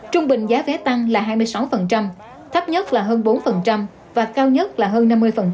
trung bình giá vé tăng là hai mươi sáu thấp nhất là hơn bốn và cao nhất là hơn năm mươi